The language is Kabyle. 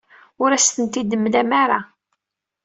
Ur as-tent-id-temlam ara.